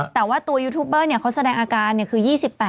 แต่ว่าตัวยูทูปเบอร์เขาแสดงอาการคือ๒๘